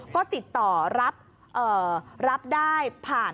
ก็ติดต่อรับได้